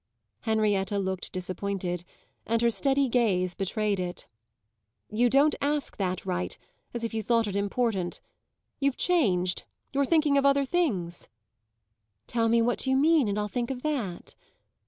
Henrietta looked disappointed, and her steady gaze betrayed it. "You don't ask that right as if you thought it important. You're changed you're thinking of other things." "Tell me what you mean, and I'll think of that."